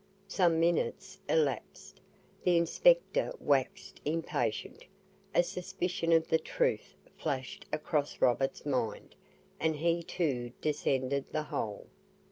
Some minutes elapsed. The inspector waxed impatient. A suspicion of the truth flashed across Robert's mind, and he too descended the hole.